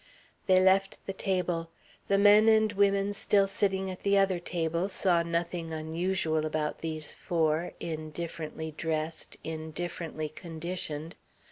They left the table. The men and women still sitting at the other tables saw nothing unusual about these four, indifferently dressed, indifferently conditioned.